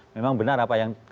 memang benar apa yang